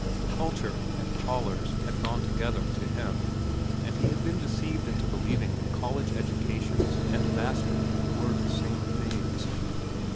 Culture and collars had gone together, to him, and he had been deceived into believing that college educations and mastery were the same things.